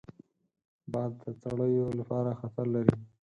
باد د څړیو لپاره خطر لري